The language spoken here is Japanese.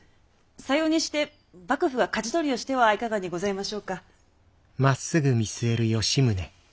さようにして幕府がかじ取りをしてはいかがにございましょうか。